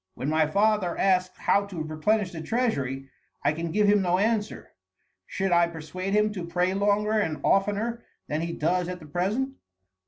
When my father asks how to replenish the treasury, I can give him no answer. Should I persuade him to pray longer and oftener than he does at the present?"